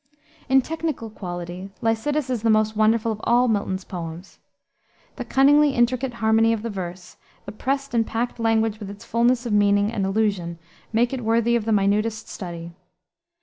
In technical quality Lycidas is the most wonderful of all Milton's poems. The cunningly intricate harmony of the verse, the pressed and packed language with its fullness of meaning and allusion make it worthy of the minutest study.